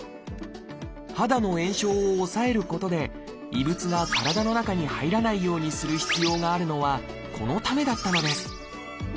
肌の炎症を抑えることで異物が体の中に入らないようにする必要があるのはこのためだったのです。